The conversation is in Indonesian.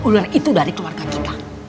ular itu dari keluarga kita